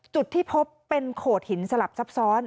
จุดที่พบเป็นโขดหินสลับซับซ้อน